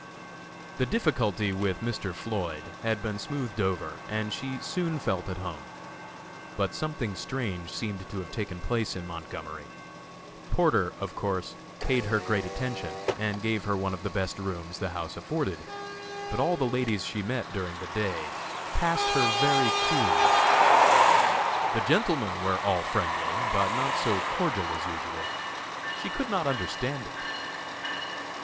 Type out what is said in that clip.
The difficulty with Mr. Floyd had been smoothed over and she soon felt at home. But something strange seemed to have taken place in Montgomery. Porter, of course, paid her great attention and gave her one of the best rooms the house afforded; but all the ladies she met during the day passed her very coolly. The gentlemen were all friendly, but not so cordial as usual. She could not understand it.